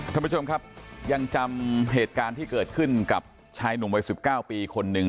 ท่านผู้ชมครับยังจำเหตุการณ์ที่เกิดขึ้นกับชายหนุ่มวัย๑๙ปีคนหนึ่ง